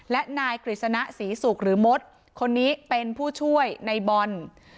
และนายกฤษณะศรีศุกร์หรือมดคนนี้เป็นผู้ช่วยในบอล